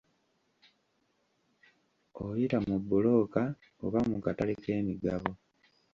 Oyita mu bbulooka oba mu katale k'emigabo.